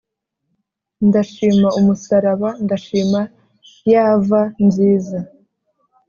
ndashima umusaraba ndashima y ava nziza